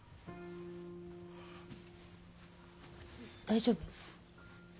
大丈夫？